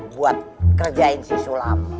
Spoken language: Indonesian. buat kerjain si sulam